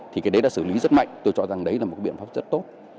thì cái đấy đã xử lý rất mạnh tôi chọn rằng đấy là một cái biện pháp rất tốt